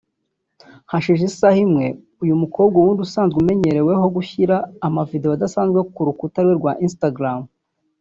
Hashize isaha imwe uyu mukobwa ubundi usanzwe umenyereweho gushyira amavideo adasanzwe kuri uru rukuta rwe rwa Instagram